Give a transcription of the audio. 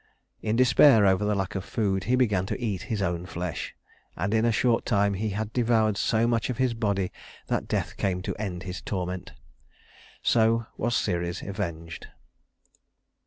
In despair over the lack of food he began to eat his own flesh; and in a short time he had devoured so much of his body that death came to end his torment. So was Ceres avenged.